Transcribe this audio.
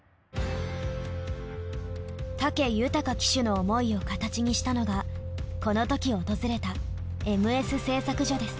武豊騎手の思いを形にしたのがこのとき訪れたエムエス製作所です。